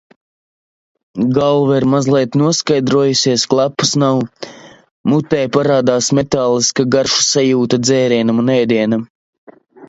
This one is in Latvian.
Galva ir mazliet noskaidrojusies, klepus nav. mutē parādās metāliska garšas sajūta dzērienam un ēdienam.